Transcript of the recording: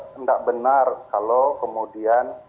tidak benar kalau kemudian